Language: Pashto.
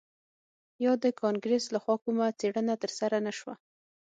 یا د کانګرس لخوا کومه څیړنه ترسره نه شوه